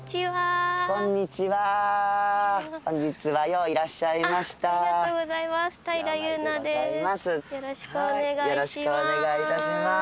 よろしくお願いします。